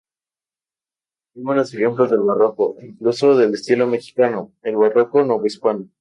Hay buenos ejemplos del Barroco, e incluso del estilo propio Mexicano, el Barroco novohispano.